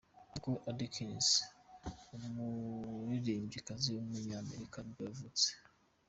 Nicole Atkins, umuririmbyikazi w’umunyamerika nibwo yavutse.